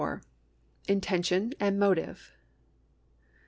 Intention and Motive.